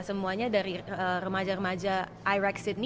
semuanya dari remaja remaja irex sydney